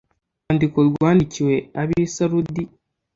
urwandiko rwandikiwe ab i sarudi